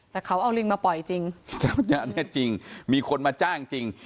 แต่เขาเอาลิงมาปล่อยจริงอันนี้จริงมีคนมาจ้างจริง